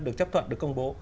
được chấp thuận được công bố